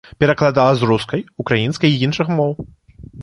Перакладала з рускай, украінскай і іншых моў.